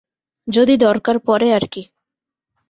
যদি দরকার পড়ে আর কী।